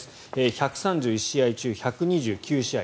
１３１試合中１２９試合。